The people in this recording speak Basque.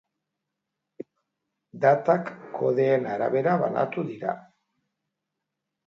Datak kodeen arabera banatu dira.